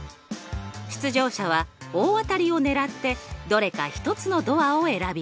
出場者は大当たりを狙ってどれか１つのドアを選びます。